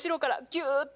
ぎゅっと。